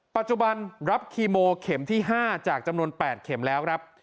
ปัจจุบันรับคีโมเข็มที่๕จากจำนวน๘เข็มแล้วครับ